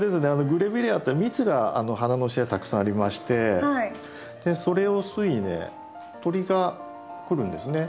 グレビレアって蜜が花の下にたくさんありましてそれを吸いにね鳥が来るんですね。